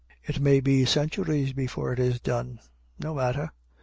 It may be centuries before it is done: no matter.